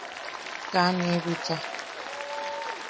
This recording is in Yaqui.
Kaa ne bicha.